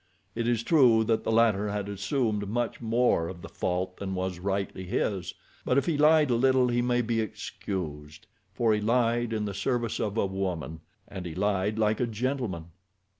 It is true that the latter had assumed much more of the fault than was rightly his, but if he lied a little he may be excused, for he lied in the service of a woman, and he lied like a gentleman.